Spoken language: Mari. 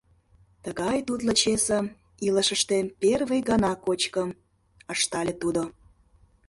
Тыгай тутло чесым илышыштем первый гана кочкым, — ыштале тудо.